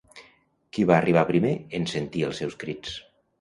Qui va arribar primer en sentir els seus crits?